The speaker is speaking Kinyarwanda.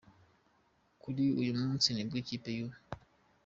Kuri uyu munsi nibwo ikipe y’u